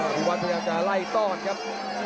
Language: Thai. อภิวัตรอยากจะไล่ตอนครับ